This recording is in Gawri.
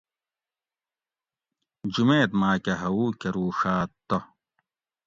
جمیت ماۤکہ ھوؤ کروڛات تہ